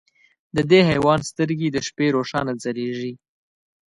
د دې حیوان سترګې د شپې روښانه ځلېږي.